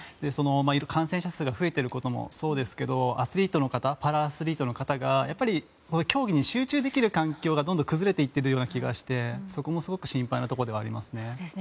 感染者数が増えていることもそうですがアスリートの方、そしてパラアスリートの方が競技に集中できる環境がどんどん崩れていっているような気がしてそこもすごく心配ですね。